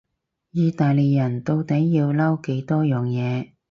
意大利人到底要嬲幾多樣嘢？